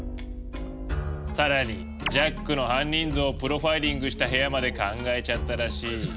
更にジャックの犯人像をプロファイリングした部屋まで考えちゃったらしい。